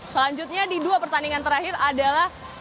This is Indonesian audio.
selanjutnya di dua pertandingan terakhir adalah